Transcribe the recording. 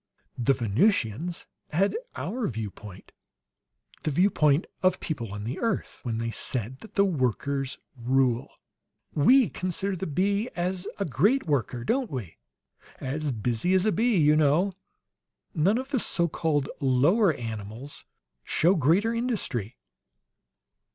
"The Venusians had our viewpoint the viewpoint of people on the earth, when they said that the workers rule. We consider the bee as a great worker, don't we? 'As busy as a bee,' you know. None of the so called lower animals show greater industry."